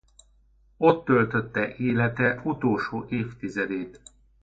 Ott töltötte élete utolsó évtizedét.